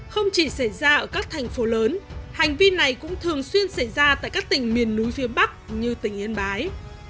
không chỉ xảy ra ở các thành phố lớn hành vi này cũng thường xuyên xảy ra tại các tỉnh miền núi phía bắc như tỉnh yên bái